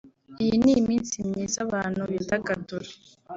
“iyi n’iminsi myiza abantu bidagadura